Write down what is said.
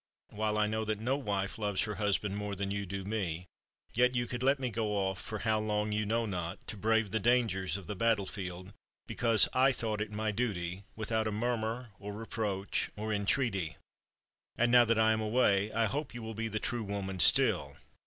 While I know that no wife loves her husband more than you do me, yet you could let me go off, for how long you know not, to brave the dangers of the battlefield, because I thought it my duty, without a murmur or reproach or entreaty. And now that I am away, I hope you will be the true woman still.